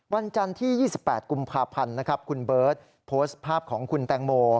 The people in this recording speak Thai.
วันจันทร์ที่๒๘กุมภาพันธ์นะครับคุณเบิร์ตโพสต์ภาพของคุณแตงโม